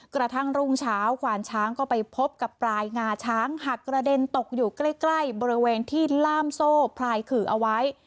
กระทั่งรุ่งเช้าควานช้างก็ไปพบกับปลายงาช้างหักกระเด็นตกอยู่ใกล้บริเวณที่ล่ามโซ่พลายขื่อเอาไว้